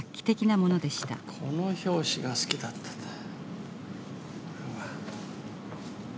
この表紙が好きだったなあ。